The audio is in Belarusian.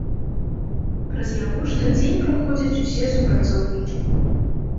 Праз яго штодзень праходзяць усе супрацоўнікі.